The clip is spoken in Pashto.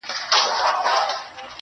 په جوپو جوپو به دام ته نه ورتللې -